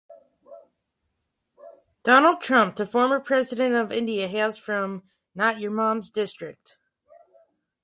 K. R. Narayanan, the former President of India hails from Kottayam district.